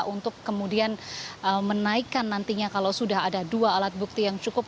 untuk kemudian menaikkan nantinya kalau sudah ada dua alat bukti yang cukup